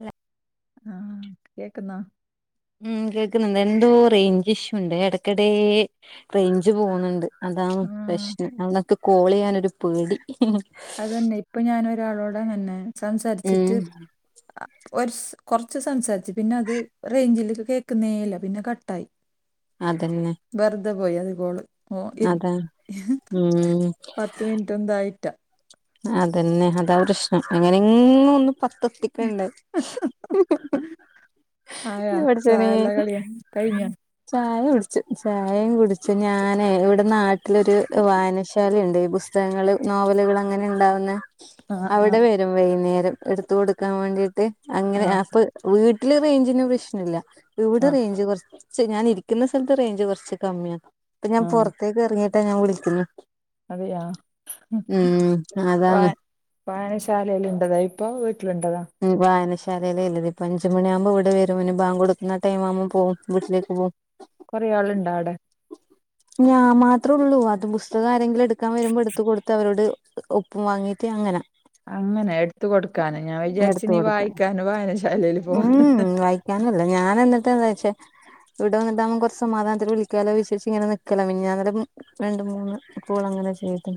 ഇല്ല ആ കേക്ക്ന്നോ ഉം കേക്ക്ന്ന്ണ്ട് എന്തോ റേയ്ഞ്ച് ഇഷ്യൂണ്ട് എടക്കെടേ റേയ്ഞ്ച് പോക്ന്ന്ണ്ട് അതാണ് ആ പ്രശ്നം അവക്ക് കോള് ചെയ്യാനൊരു പേടി അതന്നെ ഇപ്പ ഞാനൊരാളോടങ്ങൻന്നെ ഉം സംസാരിച്ചിട്ട് അ ഒര് സ് കൊർച്ച് സംസാരിച്ച് പിന്നെ അത് റേഞ്ചില കേക്ക്ന്നേ ഇല്ല പിന്നെ കട്ടായി [inaudible] അതെന്നെ വെറുതെ പോയി അത് കോള് ഓ ഇത് [unintelligible] ഉം വീണിട്ടെന്തായിട്ടാ അതന്നെ അതാ പ്രശ്നം എങ്ങനേങ്ങൊന്നു പൊർത്തെത്തിക്കണ്ടെ ആയാ ന്റെ പടച്ചോനേ ചായല്ല കടിയാ കഴിഞ്ഞാ ചായ കുടിച്ച് ചായീം കുടിച്ച് ഞാനെ ഇവടെ നാട്ടിലൊര് വായനശാലേണ്ട് ഈ ബുസ് തങ്ങള് നോവല്കള് അങ്ങനെ ണ്ടാവുന്ന ആ ആ അവടെ വെരും വൈക്ന്നേരം ഇട്ത്ത് കൊട്ക്കാം വേണ്ടീട്ട് അങ്ങനെ ആ അപ്പ് വീട്ട്ല് റേഞ്ചിന് പ്രശ്നല്ല ഇവ്ടെ ആ റേയ്ഞ്ച് കൊർച്ച് ച്ച് ഞാനിരിക്ക്ന്ന സ്ഥലത്ത് റേയ്ഞ്ച് കൊർച്ച് കമ്മ്യാ അപ്പ ഞാം ആ പൊർത്തേക്ക് എർങ്ങീട്ടാ ഞാൻ വിളിക്ക്ന്നേ അതെയാ അഹ് അതാണ് വായനശാലേല്ണ്ടതാ ഇപ്പൊ വീട്ടിലുണ്ടതാ ഉം വായനശാലയിലെല്ലത് ഇപ്പ അഞ്ച് മണിയാവുമ്പോ ഇവിടെ വരും പിന്നെ ബാംഗ് കൊടുക്ക്ണ ടൈം ആവുമ്പം പോവും വീട്ടിലേക്ക് പോകും കൊറേ ആളിണ്ടാ അവിടെ ഞാൻ മാത്രേ ഉള്ളൂ അത് പുസ്തകം ആരെങ്കിലും എടുക്കാൻ വരുമ്പോൾ എടുത്ത കൊടുത്ത് അവരോട് ഒപ്പും വാങ്ങീട്ട് അങ്ങനാ അങ്ങനെ എടുത്ത കൊടുക്കാന് ഞാൻ വിചാരിച്ച് എടുത്ത് നീ കൊടുക്ക വായിക്കാനോ വായനശാലയില് പോകൂന്ന് ഞാനല്ല ഞാന് എന്നിട്ടാന്ന് വെച്ചേ ഇവിടെ വന്നിട്ടാവുമ്പോ കൊറച്ച് സമാധാനത്തിൽ വിളിക്കാലോ വിശേഷിങ്ങനെ നിക്കലോ മെനഞ്ഞാന്നല മ് രണ്ട് മൂന്ന് കോൾ അങ്ങനെ ചെയ്ത്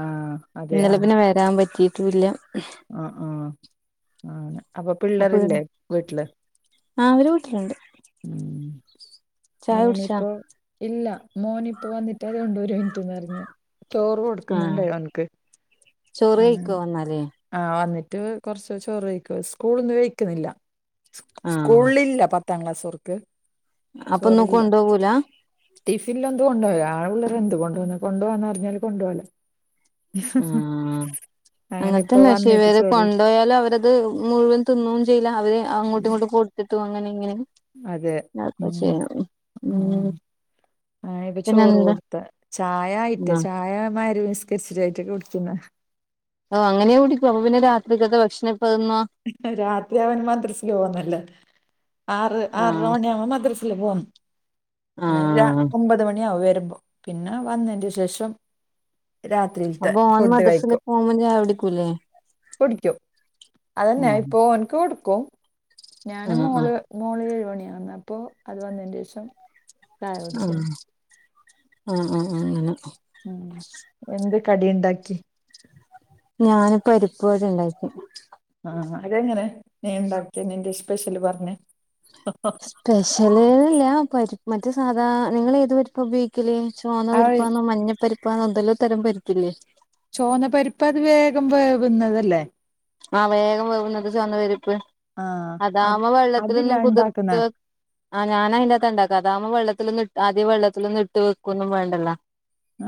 ആഹ് അതെയാ വരാൻ പറ്റീട്ടും ഇല്ല്യാ ആഹ് ആഹ് ആഹ് അപ്പൊ പിള്ളേരില്ലേ വീട്ടില് ആഹ് അവര് വീട്ടിലുണ്ട് ചായ മോന കുടിച്ചാ ഇപ്പോ ഇല്ല മോനിപ്പോ വന്നിട്ട് അതുകൊണ്ട് ഒരു മിനിറ്റ്ന്ന് പറഞ്ഞ് ചോറു കൊടു ആഹ് കൊടുക്കുന്നണ്ട് ആൾക്ക് ചോറ് കഴിക്കോ വന്നാല് ആഹ് വന്നിട്ട് കുറച്ച് ചോറ് കഴിക്കും സ്കൂള്ന്ന് കഴിക്കുന്നില്ല സ്കൂ ആഹ് സ്കൂളിലില്ല പത്താം ക്ലാസ് കാർക്ക് അപ്പൊ ഒന്നും കൊണ്ടോവൂലാ ടിഫില് ലൊന്ത് കൊണ്ടോവല് വേള പിള്ളരെന്ത് കൊണ്ട്‌പോവുന്നേ കൊണ്ട് പോവാന്നറിഞ്ഞാല് കൊണ്ടുപോവല്. ഉം അങ്ങനെ അങ്ങതന്നെ ഇപ്പൊ വന്നിട്ട് മഷീവരകൊണ്ട് ചോറ് കൊണ്ട് പോയാലും അവരത് മുഴുവൻ തിന്നും ചെയ്യില്ല അവര് അങ്ങോട്ടും ഇങ്ങോട്ടും കൊടുത്തിട്ടു അങ്ങനെ ഇങ്ങനെ അതെ ഉം നർപ്പച്ചീന ഉം. ആ ഇപ്പ പിന്നെ ചോറ് എന്താ കൊടുത്ത ചായ ആയിട്ട് ആ ചായ [unintelligible] കിസ്റ്രിയായിറ്റൊക്കെ കുടിക്കുന്ന ഓ അങ്ങനെയാ കുടിപ്പും അപ്പ പിന്നെ രാത്രിക്കത്തെ ഭഷ്ണപ്പതിന്നാ? രാത്രിയാവാന് മാത്രം സ്ലോ ഒന്നു അല്ല ആറ് ആ ആറര മണിയാവും മദ്രസ് ആ [unintelligible] ഒമ്പത് മണിയാവും വരുമ്പോ. പിന്നെ വന്നേന്റെ ശേഷം രാത്രിയിലത്തെ ഫുഡ് കഴിക്കും. പോവുമ്പം ചായടിക്കൂലേ? കുടിക്കും അതന്നെ ഇപ്പൊ ഓൻക്ക് കൊടുക്കും ആ ഞാനും ആ മോള് മോള് ഏഴുമണിയാന്ന് അപ്പൊ അത് വന്നെന്റേശം ആ, ആ, ആ, ആ, അങ്ങന. ഉം എന്ത് കടിയിണ്ടാക്കി? ഞാനിപ്പോ പരിപ്പ് വടയിണ്ടാക്കി ആഹ് അതെങ്ങനെ നീ ഉണ്ടാക്കിയ നിന്റെ സ്പെഷ്യല് പറഞ്ഞെ സ്പെഷ്യല്ല് ഞാൻ പരിപ് മറ്റ സാധാ നിങ്ങളേത് പരിപ്പാ ഉപയോഗി ത്തില് ചോന്ന ആ പരിപ്പാന്നോ മഞ്ഞ പരിപ്പാന്നോ എന്തെല്ലാം തരം പരുപ്പില്ലേ ചോന്ന പരിപ്പത് വേഗം വേവുന്നതല്ലേ? ആ വേഗം വേവുന്നത് ചോന്ന പരിപ്പ് ആഹ് അത് അതാവ്മ്പോ അതിലാ വെള്ളത്തിലൊന്നും ഉണ്ടാക്കുന്ന കുതിർത്ത് വെ ആഹ് ഞാൻ അയിന്റെകത്ത് ഉണ്ടാക്കാത്ത അതാവ്മ്പോ വെള്ളത്തിലൊന്നും ഇട്ട് ആദ്യം വെള്ളത്തിലൊന്നും ഇട്ട് വെക്കൊന്നും വേണ്ടല്ലോ.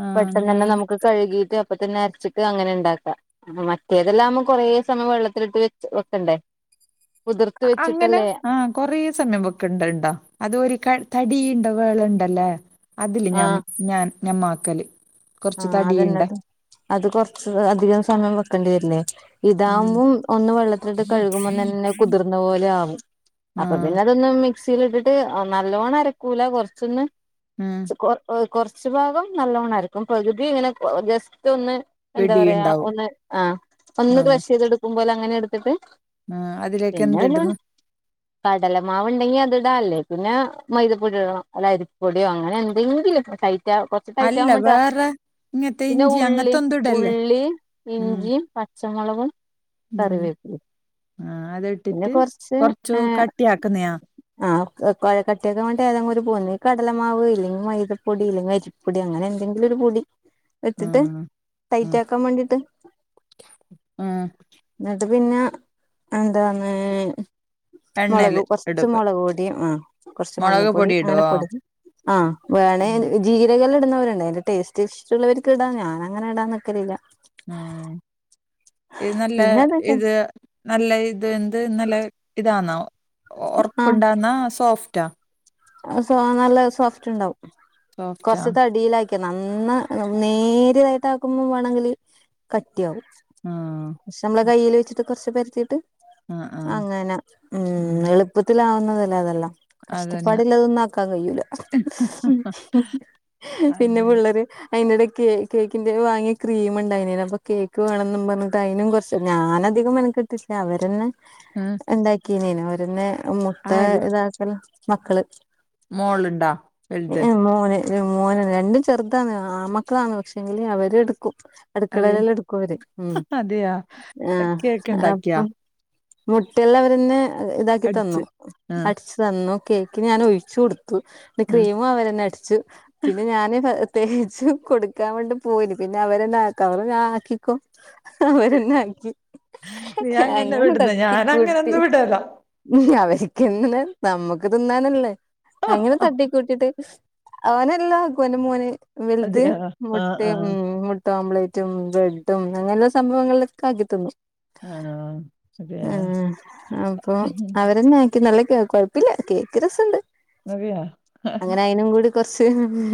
ആഹ് പെട്ടെന്ന് ഞാൻ തന്നെ നമുക്ക് കഴുകിയിട്ട് അപ്പൊ തന്നെ അരച്ചിട്ട് അങ്ങനെ ഇണ്ടാക്കാ അപ്പം മറ്റേതെല്ലാവുമ്പോ കൊറേ സമയം വെള്ളത്തിലിട്ട് വെച്ച് വെക്കണ്ടേ കുതിർത്ത് വെച്ചിട്ടല്ലേ കൊറെ സൻയം വെക്കണ്ടണ്ടാ അത് ഒരു ക തടിയിണ്ടാ വേളണ്ടല്ലേ അതില് ഞാം ആഹ് ഞാൻ ഞമാക്കല് ആഹ് അതന്നെത് അത് കൊറച്ച് അധികം സമയം വെക്കേണ്ടി വരില്ലേ? ഉം ഇതാവുമ്പം ഒന്ന് വെള്ളത്തിലിട്ട് കഴുകുമ്പോ തന്നെ എല്ലാം കുതിർന്ന പോലെ ആകും ആ അപ്പൊ പിന്നെ അതൊന്ന് മിക്സീലിട്ടിട്ട് നല്ലോണ്ണം അരക്കൂല കൊറച്ചൊന്ന് ഉം കൊ കൊർച്ച് ഭാഗം നല്ലോണായിരിക്കും. പകുതി ഇങ്ങനെ ജസ്റ്റ് ഒന്ന് എന്താ പറയാ ഇടിയുണ്ടാവും ഒന്ന് ആ ആ ഒന്ന് ക്രഷ് ചെയ്തടുക്കും പോലെ അങ്ങനെ എടുത്തിട്ട് ആ അതിലേക്ക് പിന്നെല്ലാണ് എന്തിടുന്നു കടലമാവ് ഉണ്ടെങ്കി അത്ടാ അല്ലേ പിന്നെ മൈദപ്പൊടി ഇടണം അല്ല അരിക്കപ്പൊടിയോ അങ്ങനെ എന്തെങ്കിലും ടൈറ്റാ കൊ അല്ല വേറെ ഇങ്ങനത്തെ പിന്നെ ഇഞ്ചി ഉള്ളി അങ്ങനത്തെ ഒന്നും ഇടല്ലേ ഉള്ളി ഉം ഇഞ്ചിം പച്ചമുളകും കറിവേപ്പ് ആഹ് അത് ഇട്ടിട്ട് കൊറ്ച്ചു കട്ടി ആക്കുന്നെയാ ആഹ്ക്കട്ടിയാക്കാൻ ആ ഏതെങ്കും ഒരു പൊടി കടലമാവ് ഇല്ലെങ്കി മൈതപ്പൊടി ഇല്ലെങ്കി അരി പൊടി അങ്ങനെ എന്തെങ്കിലൊരു പൊടി ഇട്ടിട്ട് ഉം ഉം ടൈറ്റ് ആക്കാൻ വേണ്ടിട്ട് ഉം എന്നിട്ട് പിന്നെ ന്താണ് മൊളക് എണ്ണയില് കൊർച്ച് ഇടും മൊളക് പൊടിം ആ കൊർച്ച് മുളക് മഞ്ഞൾപ്പൊടി പൊടി അങ്ങനെ ഇടുവോ പൊടി ആ വേണേ ഉം ജീരകള് ഇട്ന്നവര്ണ്ട് അയ്ന്റെ ടേസ്റ്റ് ഷ്ടള്ളവർക്ക് ഇടാൻ ഞാനങ്ങനെ ഇടാന്നക്കലില്ല. ആഹ് ഇത് നല്ല പിന്നെ അതൊക്കെ ഇത് നല്ല ഇത് എന്ത് നല്ല ഇതാന്നാ ആ ഒർപ്പ്ണ്ടാന്നാ സോഫ്റ്റാ സോ നല്ല സോഫ്റ്റ് ഉണ്ടാവും. സോഫ്റ്റാ കൊർച്ച് തടിയിലാക്കി നന്ന നേരിയതായിട്ടാക്കുമ്പം വേണങ്കില്, കട്ടിയാവും ആ പക്ഷെ നമ്മളെ കയ്യിൽ വെച്ചിട്ട് കൊർച്ച് പര്‌ത്തീട്ട്, ആ ആ അങ്ങനെ ഉം എളുപ്പത്തിലാവുന്നതല്ലേ അതെല്ലാം. അതെ. [unintelligible] ന്നും ആക്കാൻ കയ്യൂല. പിന്നെ അങ്ങനെ പിള്ളേര് അയ്ന്റെടെക്ക് കേക്കിന്റെ വാങ്ങിയ ക്രീം ഉണ്ടയ്ന പ്പൊ കേക്ക് വേണണംന്ന് പറഞ്ഞിട്ട്, അയ്നും കൊർച്ച് ഞാനധികം മെന [unintelligible] അവരന്നെ ആഹ് ഉണ്ടാക്കിനേന ഓരന്നെ മുട്ട ആര് ഇതാക്കൽ മക്കള്, മോളുണ്ടാ വലുത് ഏ മോന്. മോനാണ് രണ്ടും ചെർതാണ്. ആമക്കളാണ്, പക്ഷെങ്കിൽ അവര് എടുക്കും. അതെ അടുക്കളയിലല്ലാം എടുക്കവര്. ഉം അതെയാ ആ കേക്ക് ഉണ്ടാക്കിയാ അപ്പം. മുട്ടല്ലാം അവരന്നെ ഇതാക്കി തന്നു. അടിച്ച് ആ അടിച്ച് തന്നു. കേക്ക് ഞാൻ ഒഴിച്ചു കൊടുത്തു. പിന്നെ ആ ക്രീമവരന്നെ അടിച്ചു. പിന്നെ ഞാന് പ തേച്ച് കൊടുക്കാൻ വേണ്ടി പോയിന്. പിന്നെ അവരന്നെ ആക്കാ ന്നറഞ്ഞു. ആ ആക്കിക്കോ. അവരന്നാക്കി, നീ അങ്ങനെ വിടുന്ന ഞാൻ തട്ടിക്കൂട്ടി. അങ്ങനൊന്നും വിടല അവര്ക്കന്നെ. നമ്മുക്ക് തിന്നാനല്ലേ അങ്ങനെ തട്ടി കൂട്ടിട്ട്. അവനെല്ല ആക്കൂ ൻ്റെ മോന് വെൽത്. അതെയാ ആ ആ മൊട്ടെം ഉം മു ട്ട ഓംലേറ്റും ബ്രെഡും അങ്ങനെ സംഭവങ്ങളിലൊക്കാക്കിത്തന്നു. ആ അതെയാ ഉം. അപ്പൊ അവരന്നെ ആക്കി നല്ല കേക്ക് കൊയ്‌പ്പല്ല. കേക്ക് രസണ്ട്. [unintelligible] കൊർച്ച്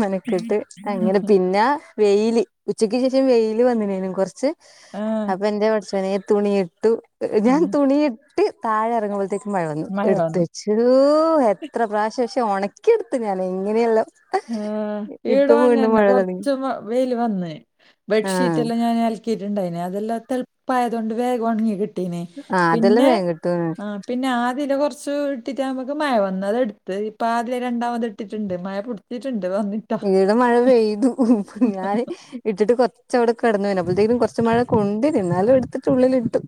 മെനക്കട്ട്. അങ്ങനെ പിന്ന, വെയില്, ഉച്ചക്ക് ശേഷം വെയില് വന്നനേ കൊർച്ച്. ആ അപ്പൊ എൻ്റെ [unintelligible] [unintelligible] തുണിയിട്ടു. ഞാൻ ഉം തുണിയിട്ട് താഴെ ഇറങ്ങുമ്പോഴത്തേക്കും മഴവന്നു മഴ എടുത്തേ വന്നു [unintelligible] എത്ര പ്രാവശ്യം. ക്ഷെ ഉണക്കിയെടുത്തു ഞാൻ എങ്ങനെയല്ലോ. ആഹ് ഇപ്പൊ വീണ്ടും ഇവടങ്ങനെ മഴ തുടങ്ങി കൊർച്ച് വ വെയ്ല് വന്നു. ബെഡ്ഷീറ്റ് ആഹ് എല്ലാം ഞാൻ അല ക്കിട്ടാണ്ടായിനി, അതെല്ലാം തളുപ്പായതോണ്ട് വേഗം ഉണങ്ങി കിട്ടീന്. ആഹ് അതെല്ലാം പിന്നെ വേഗം കിട്ടും പിന്നെ ആതില കുറച്ച് ഇട്ടിട്ട് നമുക്ക് മഴ വന്ന് അത് എടുത്ത്. ഇപ്പം ആദ്യം രണ്ടാമത് ഇട്ടിട്ടുണ്ട് മഴപു ട്ടിട്ടുണ്ട് വന്നി ഇവിടെ മഴ പെയ്തു. ഞാനെയ് ഇട്ടിട്ട് കുറച്ചവിടെ കെടന്നീനു. അപ്പോൾ ത്തേക്കും കുറച്ച് മഴ കൊണ്ടിരുന്നു ന്നാലും അത് എടുത്തിട്ടുള്ളിലിട്ടു.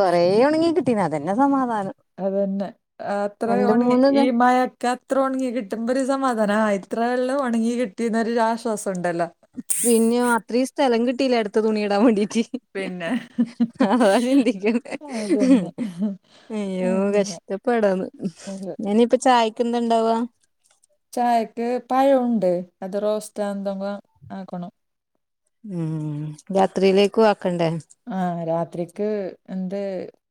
കൊറേ ഉണങ്ങി കിട്ടീ. അതന്നെ സമാധാനം. അതന്നെ അത്ര രണ്ട് ഒണി മൂന്ന് ദെ ഈ മഴ ക്കത്ര ഉണങ്ങി കിട്ടുമ്പോ ഒരു സമാധാനാ. ആ ഇത്രല്ലം ഉണങ്ങി കിട്ടീനൊരു ആശ്വാസം ഉണ്ടല്ലോ. പിന്യോ അത്രീം സ്ഥലം കിട്ടീലെ അടുത്ത തുണി ഇടാൻ വേണ്ടീട്ട്. പിന്നെ അതാ ചിന്തിക്കണ്ടെ, അതന്നെ അയ്യോ അങ്ങനെ കഷ്ട്ടം. [unintelligible] ഞാനിപ്പ ചായ്ക്ക എന്തണ്ടവാ? ചായക്ക് പഴുണ്ട് അത് റോസ്റ്റാന്തെങ്കും ആക്കണം. മം. രാത്രിയിലേക്കും ആക്കണ്ടേ? ആ രാത്രിക്ക് എന്ത്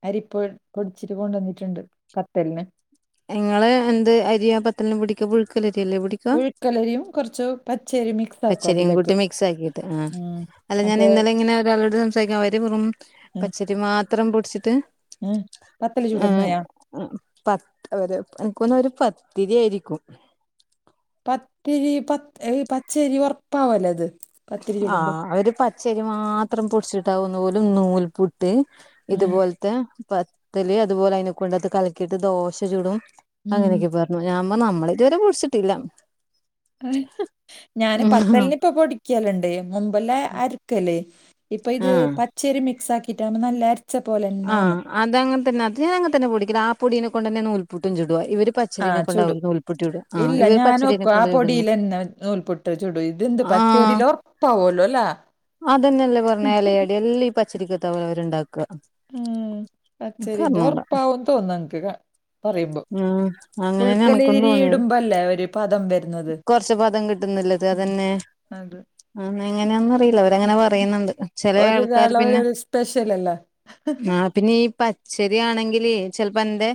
അരിപ്പ് പൊടിച്ചിട്ട് കൊണ്ടോന്നിട്ടുണ്ട്. [unintelligible] ങ്ങള് എന്ത് അരിയാ പത്തൽ ന് പൊടിക്ക പുഴുക്കലരിയല്ലേ പൊടി പുഴുക്കലരിയും കുറച്ച് പച്ചരി മിക്സ് ആക്കും പച്ചരിയും അതിലേക്ക്. കൂട്ടി മിക്സ് ആക്കിയിട്ട് ആഹ് മം. അല്ല ഞൻ ഇന്നലെ ഇങ്ങനെ ഒരാളോട് സംസാരി [unintelligible] അവര് പറും ഉം പച്ചരി മാത്രം പൊടിച്ചിട്ട്, ഉം പത്തല് ചുടുന്നയാ പത്ത് അവര് എനക്ക്തോന്നുന്നത് ഒരു പത്തിരി ആയിരിക്കും. പത്തിരി പത് അഹ് പച്ചരി ഉറപ്പാവല്ലോ അത്. പത്തിരി ആ ചുടുമ്പോ അവര് പച്ചരി മാത്രം പൊടിച്ചിട്ടാവും, ഓല് നൂൽപുട്ട് ഉം ഇതുപോലത്തെ പത്തല് അതുപോലെ അയിനെ കൊണ്ടത് കലക്കിയിട്ട് ദോശ ചൂടും ഉം അങ്ങനെയൊക്കെ പറഞ്ഞു ഞാൻ പറഞ്ഞു നമ്മളിതുവരെ പൊടിച്ചിട്ടില്ല ഞാന് പത്തലിന് ഇപ്പം പൊടിക്കലുണ്ട് മുമ്പല്ലാം അരക്കലേനു ഇപ്പൊ ഇത് ആഹ് പച്ചരി മിക്സ് ആക്കിയിട്ടാണ് നല്ല അര ആഹ് അത് അങ്ങനെ തന്നെ അത് അങ്ങതന്നെ പൊടിക്കല് ആ പൊടീന കൊണ്ടന്നെ നൂൽപുട്ടും ചുടുവാ ഇവര് പ ആ ചുടും. ഇല്ല ഞാൻ പച്ചരീനെ ഒക്കെ ആ കൊണ്ട് ചുടുന്നു പൊടീലന്നെ നൂൽ പുട്ട് ചുടും ഇതെന്ത് പച്ചേരിയില് ഉറപ്പാവോലോ ലെ അതന്നെല്ലേ പറഞ് എലയടെല്ലാം ഈ പച്ചരിക്കത്ത പോലും അവരുണ്ടാക്ക ഉം പച്ചരിന്റെ ഉറപ്പാകും തോന്നൻക്ക് ക പറയുമ്പോ ഉം അങ്ങനെന്നെ എനക്കും പുഴുക്കലരി തോന്നിയത് ഇടുമ്പല്ലേ ഒരു പദം വരുന്നത് കൊറച്ച് പദം കിട്ടുന്നില്ലത് അതന്നെ അതെ ആന്ന് എങ്ങനെയെന്ന് അറിയില്ല അവര് തങ്ങനെ പറയുന്നുണ്ട് ചെല ആൾക്കാര് ഒരൊരാള് പിന്നെ ഓരോരോ സ്പെഷ്യൽ അല്ലേ ആ പിന്നെ ഈ പച്ചരിയാണെങ്കില് ചെലപ്പോ എന്റെ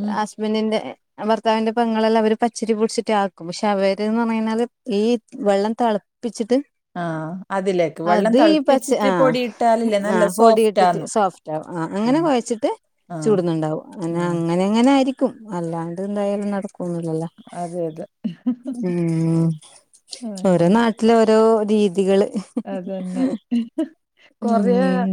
ഉം ഹസ്ബന്റിന്റെ ഭർത്താവിന്റെ പൊങ്ങളെല്ലാം അവര് പച്ചരി പൊടിച്ചിട്ട് ആക്കും പക്ഷെ അവര്ന്ന് പറയിണത് ഈ വെള്ളം തെള പ്പിച്ചിട്ട് ആഹ് അതില് അത് ഈ പച്ച ആ ആ നല്ല പൊടി സോഫ്റ്റ് ഇട്ടിട്ട് ആന്ന് സോഫ്റ്റ് ആവും ആ അങ്ങനെ ഉം കുഴച്ചിട്ട് ആ ചൂടുന്നുണ്ടാവും ന്നെ ആ അങ്ങനെ ഇങ്ങനേ ആയിരിക്കും അല്ലാണ്ട് എന്തായാലും നടക്കുംന്നില്ലല്ലോ അതെ അതെ ഉം ഓരോ നാട് ഇതിലോരോ രീതികള് അതെന്നെ കൊറെ ഉം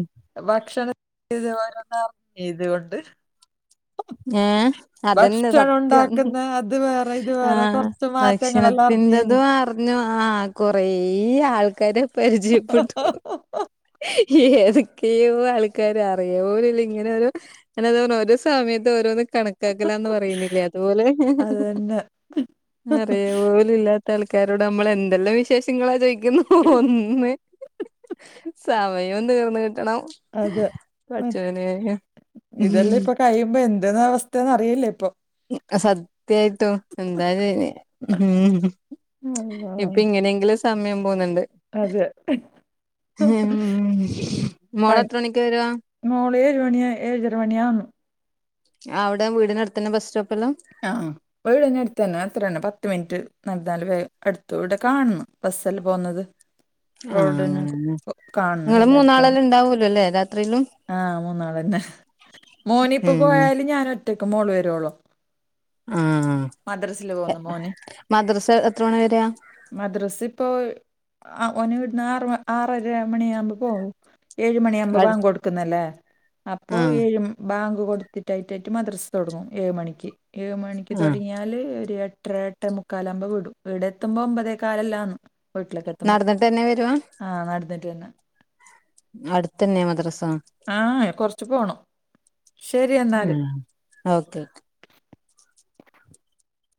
ഭക്ഷണം [unintelligible] ഏഹ് അതെന്നെ സത്യം ഉണ്ടാക്കുന്ന അത് വേറെ ഇത് വേറെ ആഹ് കുറച്ച് മാറ്റങ്ങളെല്ലാം അറിഞ്ഞിരുന്നു. ഭക്ഷണത്തിന്റെതും ആ ആ കൊറേ ആൾക്കാരെ പരിചയപ്പെട്ടു ഏതൊക്കെയോ ആൾക്കാര് അറിയ പോലും ഇല്ല ഇങ്ങനെരു ഞാനത പറഞ്ഞെ ഒരു സമയ ത്ത് ഓരോന്ന് കണക്കാക്കലാണെന്ന് പറയുന്നില്ലെ അതുപോലെ അതന്നെ. അറിയ പോലും ല്ലാത്ത ആൾക്കാരോട് നമ്മള് എന്തെല്ലാം വിശേഷങ്ങളാ ചോദിക്കുന്നു ഒന്ന് സമയോം തീർന്ന് കിട്ടണം അതെ പടച്ചോനെ ഉം ഇതെല്ലാം ഇപ്പൊ കഴിയുമ്പോ എന്തെന്ന അവസ്ഥയന്ന് അറിയില്ല ഇപ്പൊ സത്യായിട്ടും എന്തായാലും നി അള്ളാ. ഇപ്പൊ ഇങ്ങനെങ്കിലും സമയം പോന്നുണ്ട്. അതെ. പണി മോളെത്രണിക്കാ വരാ മോള് എഴ്മണിയ ഏഴരമണിയാന്ന് അവ്ടെ വീടിനട്ത്തെന്ന ബസ് സ്റ്റോപ്പല്ലാ ആഹ് എഴെയിഞ്ഞാൽ അടുത്തന്നെ അത്രേന്നെ പത്ത് മിനിറ്റ് റൺവേ അടുത്ത് ഇവടെ കാണ്ന്ന് ബസ്സെല്ലാം ബസ്സെല്ലാം പോവുന്നെത്. ആഹ് റോഡിന് കാൺണ അവ്ടെ അട്ത്തന്നെ ഇണ്ടാവൂലെല്ലെ രാത്രിലും ആഹ് മൂന്നാളന്നെ ഉം മോനിപ്പപോയാല് ഞാൻ ഒറ്റയ്ക്ക് മോള് വരുവോള ആഹ് മദ്രസില് പോവ്ന്നു മോന് മദ്രസ എത്ര മണി വരെയാ? മദ്രാസി ഇപ്പോ ഓൻ ഇടുന്ന് ആറ് ആറര മണിയാകുമ്പോൾ പോവും. എഴുമണിയാമ്പോ ആഹ് ബാങ്ക് കൊടുക്കുന്നല്ലേ അപ്പോ ഏഴ് ബാങ്ക് കൊടു തിറ്റായിറ്റായിട്ട് മദ്രസ് തുടങ്ങും. എഴു മണിക്ക് ഏഴ് മണിക്ക് ആഹ് തുടങ്ങിയാല് ഒരു എട്ടര എട്ടേമുക്കാലാവുമ്പോ വിടും വീടെത്തുമ്പോ ഒമ്പതേക്കാലല്ലാന്ന് വീട്ടിലേക്കെത്തുമ്പോ നടന്നിട്ട് തന്നെ വരുവാ ആ നടന്നിട്ടെന്നെ. അടുത്തെന്നെയാ മദ്രസ? ആ എ കൊർച്ച് പോണം ശരി എന്നാല് ഓക്കെ